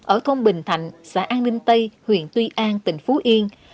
ở thôn bình thạnh xã an ninh tây huyện tuy an tỉnh phú yên